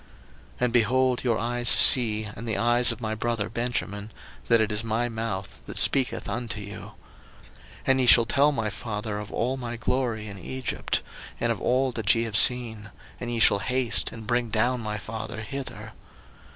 01:045:012 And, behold, your eyes see, and the eyes of my brother Benjamin, that it is my mouth that speaketh unto you. 01:045:013 And ye shall tell my father of all my glory in Egypt, and of all that ye have seen; and ye shall haste and bring down my father hither.